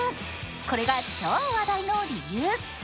これが超話題の理由。